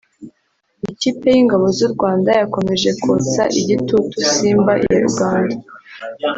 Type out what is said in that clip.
Ikipe y’ingabo z’u Rwanda yakomeje kotsa igitutu Simba ya Uganda